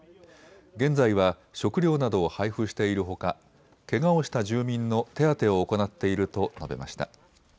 現在は食料などを配布しているほか、けがをした住民の手当てを行っていると述べました。